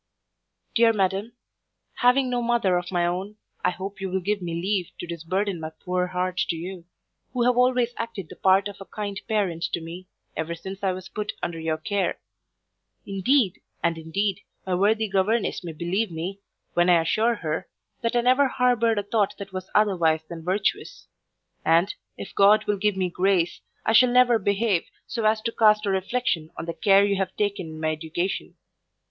DEAR MADAM, Having no mother of my own, I hope you will give me leave to disburden my poor heart to you, who have always acted the part of a kind parent to me, ever since I was put under your care. Indeed, and indeed, my worthy governess may believe me, when I assure her, that I never harboured a thought that was otherwise than virtuous; and, if God will give me grace, I shall never behave so as to cast a reflection on the care you have taken in my education.